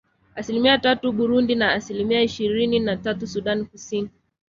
Asilimia tatu Burundi na asilimia ishirini na tatu Sudan Kusini